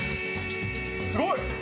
すごい！